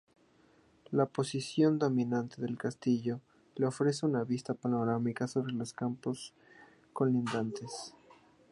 La posición dominante del castillo le ofrece una vista panorámica sobre los campos colindantes.